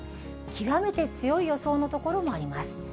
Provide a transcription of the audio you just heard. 極めて強い予想の所もあります。